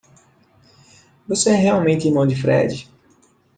Você é realmente irmão de Fred?